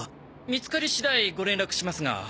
見つかり次第ご連絡しますが。